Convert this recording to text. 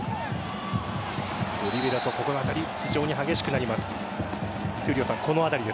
オリヴェラと、ここの当たり非常に激しくなります。